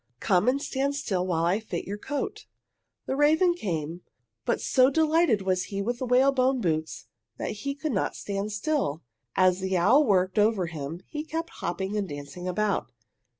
"Come and stand still while I fit your coat." The raven came, but so delighted was he with the whalebone boots that he could not stand still. As the owl worked over him he kept hopping and dancing about.